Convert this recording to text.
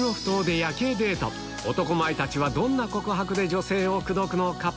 男前たちはどんな告白で女性を口説くのか？